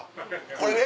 これね？